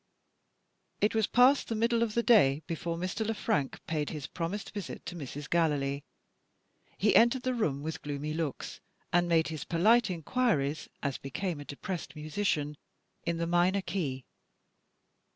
It was past the middle of the day, before Mr. Le Frank paid his promised visit to Mrs. Gallilee. He entered the room with gloomy looks; and made his polite inquiries, as became a depressed musician, in the minor key.